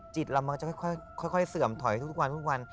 จิตเราจะค่อยเสื่อมถอยทุกวัน